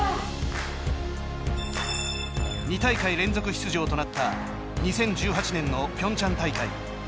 ２大会、連続出場となった２０１８年のピョンチャン大会。